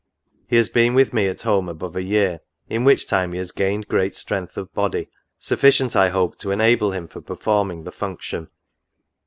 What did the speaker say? He has been with me at home above a year, in which time he has gained great strength of body, sufficient, I hope, to enable him for performing the function.